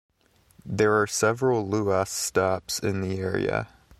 There are several Luas stops in the area.